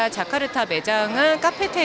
jika kita berada di jakarta